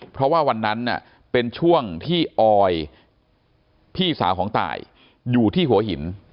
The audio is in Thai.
เพราะว่าวันนั้นเป็นช่วงที่ออยพี่สาวของตายอยู่ที่หัวหิน